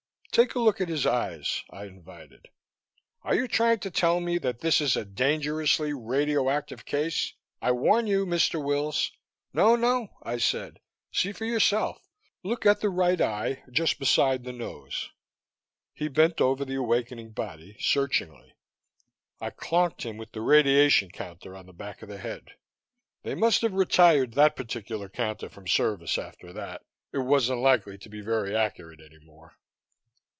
"Take a look at his eyes," I invited. "Are you trying to tell me that this is a dangerously radioactive case? I warn you, Mr. Wills " "No, no," I said. "See for yourself. Look at the right eye, just beside the nose." He bent over the awakening body, searchingly. I clonked him with the radiation counter on the back of the head. They must have retired that particular counter from service after that; it wasn't likely to be very accurate any more.